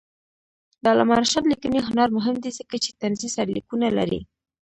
د علامه رشاد لیکنی هنر مهم دی ځکه چې طنزي سرلیکونه لري.